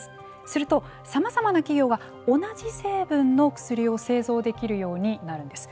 すると、さまざまな企業が同じ成分の薬を製造できるようになるんです。